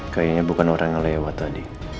kayaknya bukan orang yang lewat tadi